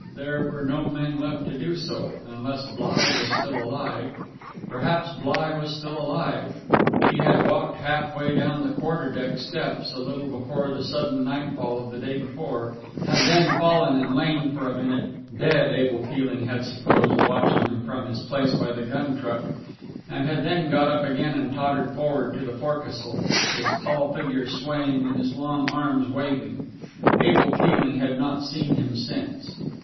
There were no men left to do so, unless Bligh was still alive. Perhaps Bligh was still alive. He had walked half way down the quarter deck steps a little before the sudden nightfall of the day before, had then fallen and lain for a minute (dead, Abel Keeling had supposed, watching him from his place by the gun truck), and had then got up again and tottered forward to the forecastle, his tall figure swaying and his long arms waving. Abel Keeling had not seen him since.